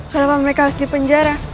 kenapa mereka harus dipenjara